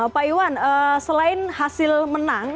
pak iwan selain hasil menang